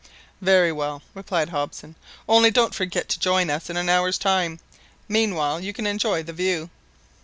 "Very well," replied Hobson, "only don't forget to join us in an hour's time, meanwhile you can enjoy the view."